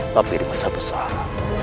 tapi dengan satu sahabat